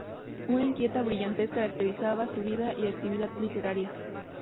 Una inquieta brillantez caracterizaba su vida y actividad literaria.